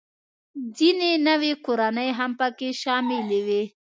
ځینې نوې کورنۍ هم پکې شاملې وې